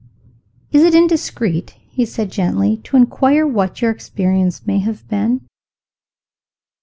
"Is it indiscreet," he said gently, "to inquire what your experience may have been?"